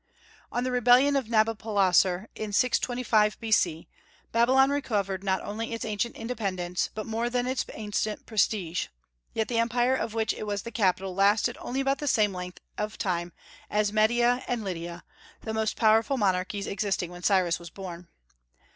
On the rebellion of Nabopolassar, in 625 B.C., Babylon recovered not only its ancient independence, but more than its ancient prestige; yet the empire of which it was the capital lasted only about the same length of time as Media and Lydia, the most powerful monarchies existing when Cyrus was born.